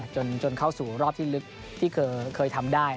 จนเข้าสู่รอบที่ลึกที่เคยทำได้